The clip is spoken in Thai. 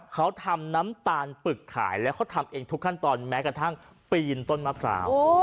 เขาทำน้ำตาลปึกขายแล้วเขาทำเองทุกขั้นตอนแม้กระทั่งปีนต้นมะพร้าว